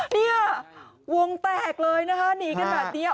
เนี่ยวงแตกเลยนะคะหนีกันแบบนี้